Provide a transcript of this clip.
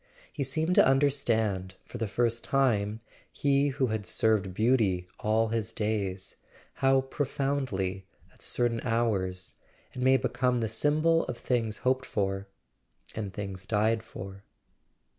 He seemed to understand for the first time—he who had served Beauty all his days—how profoundly, at certain hours, [ 410 ] A SON AT THE FRONT it may become the symbol of things hoped for and things died for.